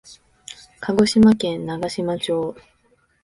鹿児島県長島町